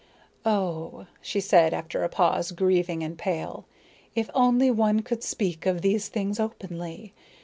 "Oh," she said after a pause, grieving and pale, "if only one could speak of these things openly.